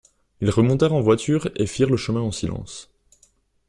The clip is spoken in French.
Ils remontèrent en voiture et firent le chemin en silence.